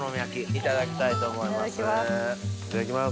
いただきます。